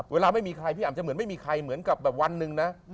เวลาไม่มีใครพี่อ่ำจะเหมือนไม่มีใครเหมือนกับแบบวันหนึ่งนะ